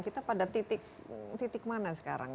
kita pada titik mana sekarang